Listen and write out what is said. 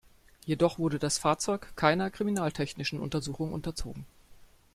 Jedoch wurde das Fahrzeug keiner kriminaltechnischen Untersuchung unterzogen.